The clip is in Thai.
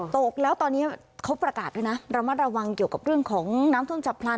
ตกแล้วตอนนี้เขาประกาศด้วยนะระมัดระวังเกี่ยวกับเรื่องของน้ำท่วมฉับพลัน